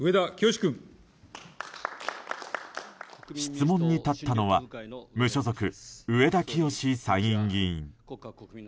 質問に立ったのは無所属上田清司参院議員。